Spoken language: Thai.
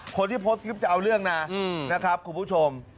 คนที่โพสต์คลิปจะเอาเรื่องนะนะครับคุณผู้ชม